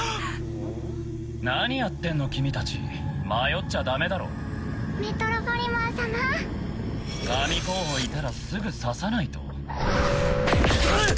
何やってんの君達迷っちゃダメだろメトロポリマン様神候補いたらすぐ刺さないとくそっ！